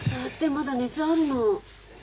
まだ熱あるの。